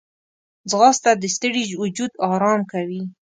ځغاسته د ستړي وجود آرام کوي